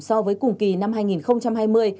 so với cùng kỳ năm hai nghìn hai mươi